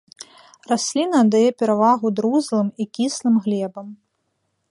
Расліна аддае перавагу друзлым і кіслым глебам.